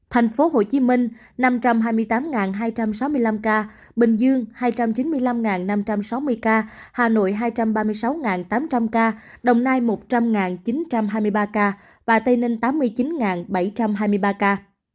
thành phố hồ chí minh năm trăm hai mươi tám hai trăm sáu mươi năm ca bình dương hai trăm chín mươi năm năm trăm sáu mươi ca hà nội hai trăm ba mươi sáu tám trăm linh ca đồng nai một trăm linh chín trăm hai mươi ba ca và tây ninh tám mươi chín bảy trăm hai mươi ba ca